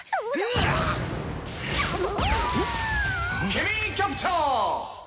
「ケミーキャプチャー！」